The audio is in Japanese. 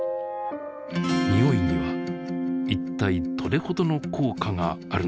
においにはいったいどれほどの効果があるのでしょう？